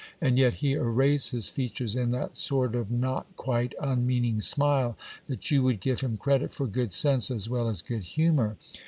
And yet, he arrays his features in that sort of not quite unmeaning smile, that you would give him credit for good sense as well as good humour.